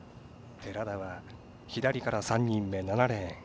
寺田は左から３人目７レーン。